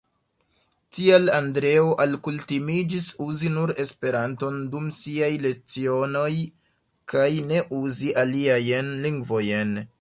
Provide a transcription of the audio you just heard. Tial Andreo alkutimiĝis uzi nur Esperanton dum siaj lecionoj, kaj ne uzi aliajn lingvojn.